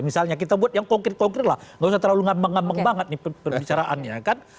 misalnya kita buat yang konkret konkret lah nggak usah terlalu ngambang ngambang banget nih perbicaraannya kan